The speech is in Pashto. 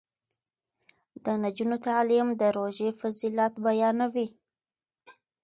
د نجونو تعلیم د روژې فضیلت بیانوي.